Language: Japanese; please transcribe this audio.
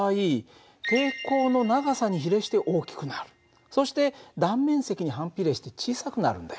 そして断面積に反比例して小さくなるんだよ。